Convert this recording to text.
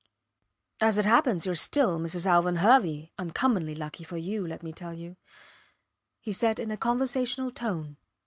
As it happens you are still Mrs. Alvan Hervey uncommonly lucky for you, let me tell you, he said in a conversational tone.